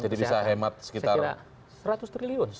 jadi bisa hemat sekitar seratus triliun